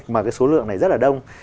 mà cái số lượng này rất là đông